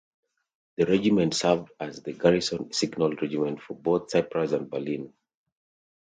The regiment served as the garrison signal regiment for both Cyprus and Berlin.